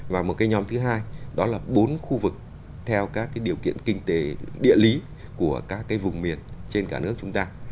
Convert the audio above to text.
và một cái nhóm thứ hai đó là bốn khu vực theo các cái điều kiện kinh tế địa lý của các cái vùng miền trên cả nước chúng ta